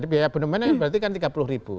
biaya bonemen yang berarti kan tiga puluh ribu